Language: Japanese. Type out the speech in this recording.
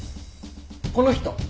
この人。